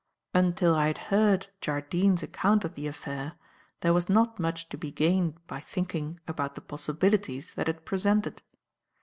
"Until I had heard Jardine's account of the affair there was not much to be gained by thinking about the possibilities that it presented.